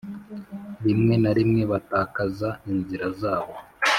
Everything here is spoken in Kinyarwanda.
rimwe na rimwe batakaza inzira zabo